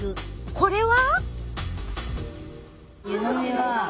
これは？